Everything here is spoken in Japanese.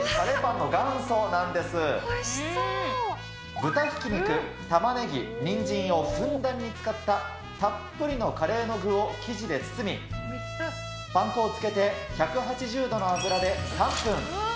豚ひき肉、玉ねぎ、にんじんをふんだんに使った、たっぷりのカレーの具を生地で包み、パン粉をつけて、１８０度の油で３分。